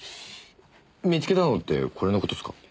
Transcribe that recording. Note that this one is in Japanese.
見つけたのってこれの事っすか？